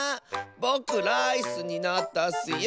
ぼくライスになったッスよ！